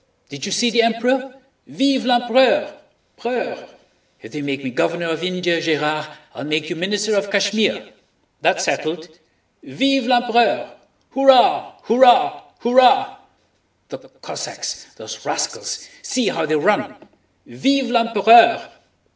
Did you see the Emperor? Vive l'Empereur!... preur!—If they make me Governor of India, Gérard, I'll make you Minister of Kashmir—that's settled. Vive l'Empereur! Hurrah! hurrah! hurrah! The Cossacks—those rascals—see how they run! Vive l'Empereur!